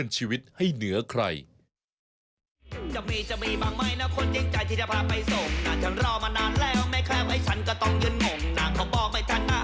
ใช่โปรดติดตามตาม